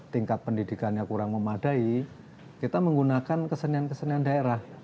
tingkat pendidikannya kurang memadai kita menggunakan kesenian kesenian daerah